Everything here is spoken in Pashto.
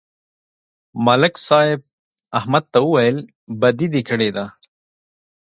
ملک صاحب احمد ته وویل: بدي دې کړې ده